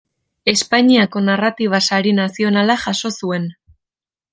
Espainiako Narratiba Sari Nazionala jaso zuen.